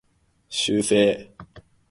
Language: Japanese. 修正